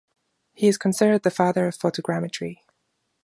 He is considered the father of photogrammetry.